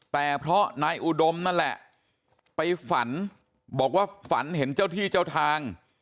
แต่เพราะนายอุดมนั่นแหละไปฝันบอกว่าฝันเห็นเจ้าที่เจ้าทาง